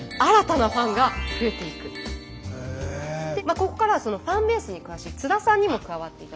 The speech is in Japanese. ここからはそのファンベースに詳しい津田さんにも加わって頂きます。